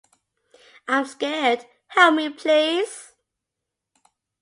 I’m scared. Help me please.